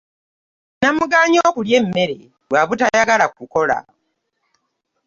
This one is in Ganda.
Namugaanyi okulya emmere lwa butayagala kukola.